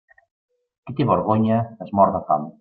Qui té vergonya, es mor de fam.